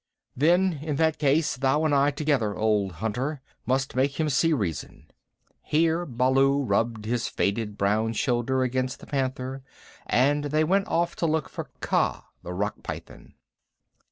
"Then in that case, thou and I together, old hunter, might make him see reason." Here Baloo rubbed his faded brown shoulder against the Panther, and they went off to look for Kaa the Rock Python.